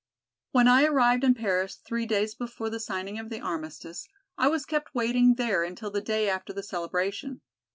"When I arrived in Paris three days before the signing of the armistice I was kept waiting there until the day after the celebration.